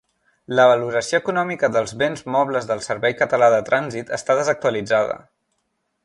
La valoració econòmica dels béns mobles del Servei Català de Trànsit està desactualitzada.